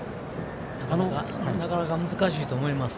なかなか難しいと思います。